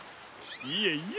いえいえ。